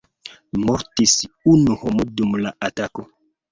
Mortis unu homo dum la atako.